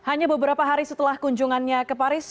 hanya beberapa hari setelah kunjungannya ke paris